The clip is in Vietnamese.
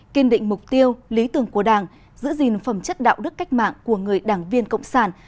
kiên định mục tiêu lý tưởng của đảng giữ gìn phẩm chất đạo đức cách mạng của người đảng viên cộng sản